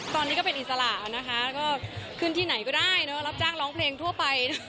ตอนนี้ก็เป็นอิสระนะคะก็ขึ้นที่ไหนก็ได้เนอะรับจ้างร้องเพลงทั่วไป